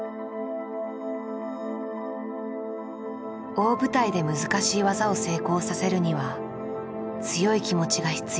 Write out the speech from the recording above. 大舞台で難しい技を成功させるには強い気持ちが必要だ。